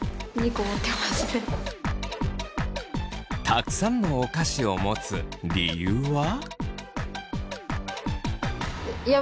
たくさんのお菓子を持つ理由は。